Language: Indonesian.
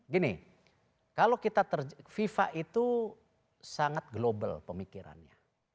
gini kalau kita fifa itu sangat global pemikirannya